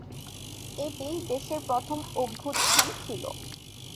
এটি দেশের প্রথম অভ্যুত্থান ছিল।